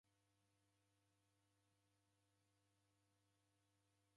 Wadadibonyera kazi ra nyumbenyi